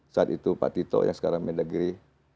saat itu pak tito yang sekarang mendagri